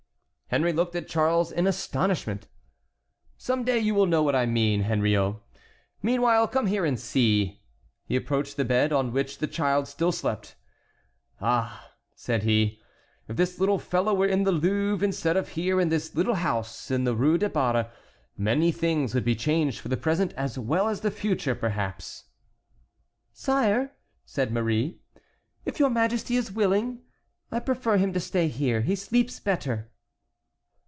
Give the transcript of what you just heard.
Henry looked at Charles in astonishment. "Some day you will know what I mean, Henriot; meanwhile come here and see." He approached the bed, on which the child still slept. "Ah!" said he, "if this little fellow were in the Louvre instead of here in this little house in the Rue des Barres, many things would be changed for the present as well as for the future perhaps." "Sire," said Marie, "if your Majesty is willing, I prefer him to stay here; he sleeps better."